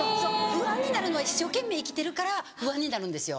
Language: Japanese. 不安になるのは一生懸命生きてるから不安になるんですよ。